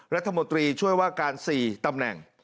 รัฐมนตรีช่วยว่าการ๔ตำแหน่ง